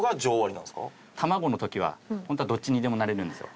卵の時は本当はどっちにでもなれるんですよ。